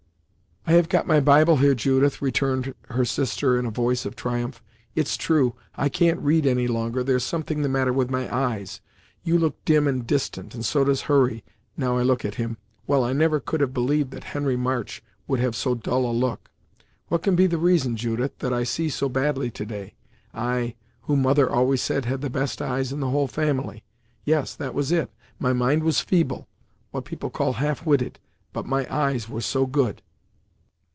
"I have got my Bible here, Judith," returned her sister in a voice of triumph. "It's true, I can't read any longer, there's something the matter with my eyes you look dim and distant and so does Hurry, now I look at him well, I never could have believed that Henry March would have so dull a look! What can be the reason, Judith, that I see so badly, to day? I, who mother always said had the best eyes in the whole family. Yes, that was it: my mind was feeble what people call half witted but my eyes were so good!"